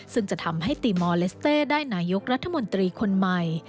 ซึ่งจะทำให้ตีมอลเลสเต้ได้นายกรัฐมนตรีคนใหม่